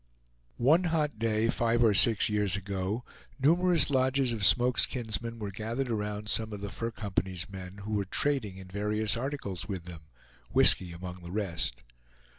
One hot day, five or six years ago, numerous lodges of Smoke's kinsmen were gathered around some of the Fur Company's men, who were trading in various articles with them, whisky among the rest.